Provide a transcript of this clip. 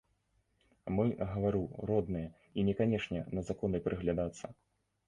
Мы, гавару, родныя, і не канешне на законы прыглядацца.